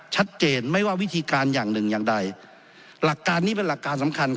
ชัดเจนไม่ว่าวิธีการอย่างหนึ่งอย่างใดหลักการนี้เป็นหลักการสำคัญ